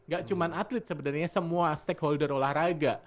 gak cuma atlet sebenarnya semua stakeholder olahraga